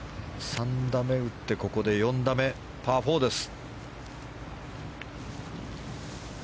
３打目を打ってここで４打目、パー４です。